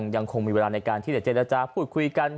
ยังคงมีเวลาในการที่เดี๋ยวเจนแล้วจะพูดคุยกัน